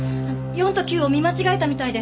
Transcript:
４と９を見間違えたみたいで。